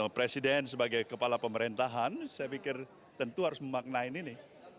presiden sebagai kepala pemerintahan saya pikir tentu harus memaknain ini